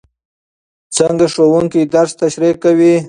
څنګه ښوونکی درس تشریح کوي؟